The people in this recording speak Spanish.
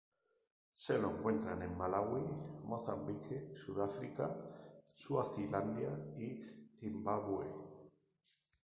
Se lo encuentra en Malaui, Mozambique, Sudáfrica, Suazilandia, y Zimbabue.